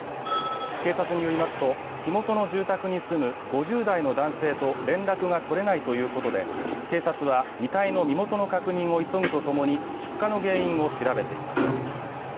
警察によりますと火元の住宅に住む５０代の男性と連絡が取れないということで、警察は遺体の身元の確認を急ぐとともに出火の原因を調べています。